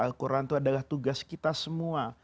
al quran itu adalah tugas kita semua